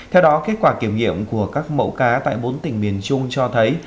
theo đó kết quả kiểm nghiệm của các mẫu cá tại bốn tỉnh miền trung cho thấy